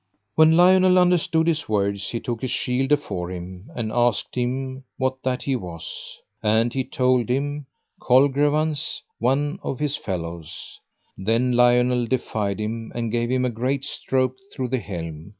When Lionel understood his words he took his shield afore him, and asked him what that he was. And he told him, Colgrevance, one of his fellows. Then Lionel defied him, and gave him a great stroke through the helm.